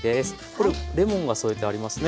これレモンが添えてありますね。